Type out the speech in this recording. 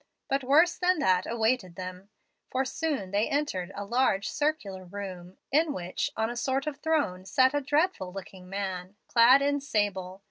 But worse than that awaited them; for soon they entered a large circular room, in which, on a sort of throne, sat a dreadful looking man, clad in sable.